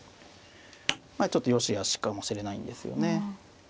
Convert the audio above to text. まあちょっとよしあしかもしれないんですよね。